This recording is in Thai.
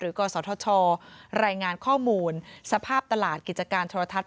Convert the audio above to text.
หรือก็สทชรายงานข้อมูลสภาพตลาดกิจการธรรทัศน์